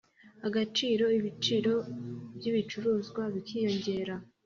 agaciro, ibiciro by'ibicuruzwa bikiyongera...